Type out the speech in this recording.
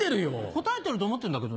答えてると思ってんだけど。